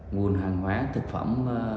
nguồn hàng hóa thực phẩm